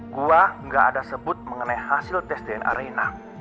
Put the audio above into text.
gue enggak ada sebut mengenai hasil tes dna reina